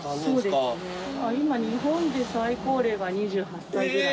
今日本で最高齢が２８歳ぐらい。